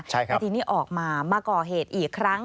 แล้วทีนี้ออกมามาก่อเหตุอีกครั้ง